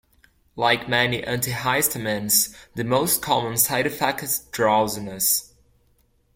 Like many antihistamines, the most common side effect is drowsiness.